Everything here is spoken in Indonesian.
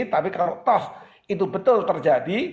tapi kalau toh itu betul terjadi